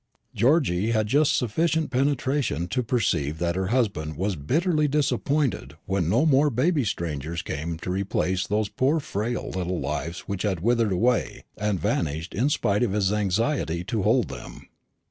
Georgy had just sufficient penetration to perceive that her husband was bitterly disappointed when no more baby strangers came to replace those poor frail little lives which had withered away and vanished in spite of his anxiety to hold them.